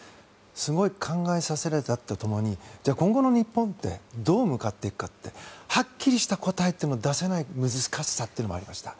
すごい考えさせられたとともにじゃあ今後の日本ってどう向かっていくかってはっきりした答えというのを出せない難しさというのもありました。